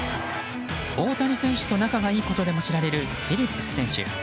大谷選手と仲がいいことでも知られるフィリップス選手。